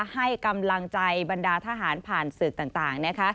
ให้กำลังใจบรรดาทหารผ่านศึกต่างนะคะ